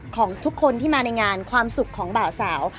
ของทุกคนที่มาในงานความสุขของบ่าวสาว